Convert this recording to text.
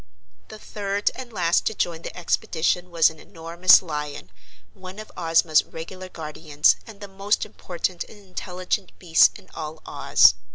The third and last to join the expedition was an enormous lion, one of Ozma's regular guardians and the most important and intelligent beast in all Oz.